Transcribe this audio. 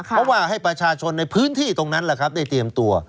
เพราะว่าให้ประชาชนในพื้นที่ตรงนั้นแหละครับได้เตรียมตัว